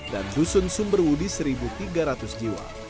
dan dusun sumberwudi satu tiga ratus jiwa